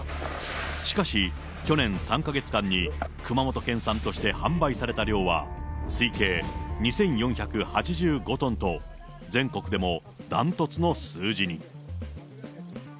しかし、去年３か月間に熊本県産として販売された量は推計２４８５トンと、全国でもダントツの数字に。